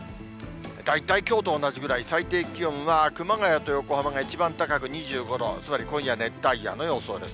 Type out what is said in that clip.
大体きょうと同じぐらい、最低気温が熊谷と横浜が一番高く２５度、つまり今夜、熱帯夜の予想です。